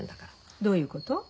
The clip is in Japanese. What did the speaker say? どういうこと？